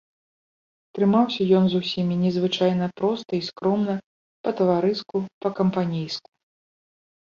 Трымаўся ён з усімі незвычайна проста і скромна, па-таварыску, па-кампанейску.